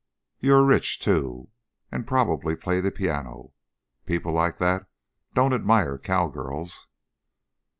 You are rich, too, and probably play the piano. People like that don't admire cow girls."